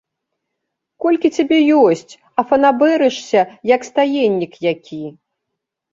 Колькі цябе ёсць, а фанабэрышся, як стаеннік які!